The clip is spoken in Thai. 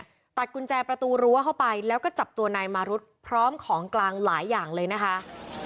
ตัดกุญแจประตูรั้วเข้าไปแล้วก็จับตัวนายมารุธพร้อมของกลางหลายอย่างเลยนะคะ